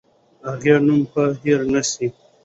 د هغې نوم به هېر نه سي.